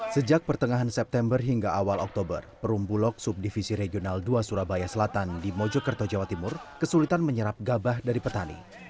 sejak pertengahan september hingga awal oktober perumbulok subdivisi regional dua surabaya selatan di mojokerto jawa timur kesulitan menyerap gabah dari petani